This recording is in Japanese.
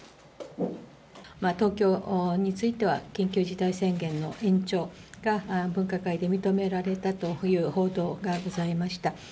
東京については、緊急事態宣言の延長が分科会で認められたという報道がございました。